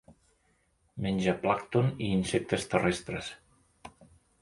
Menja plàncton i insectes terrestres.